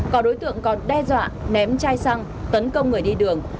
có đối tượng còn đe dọa ném chai xăng tấn công người đi đường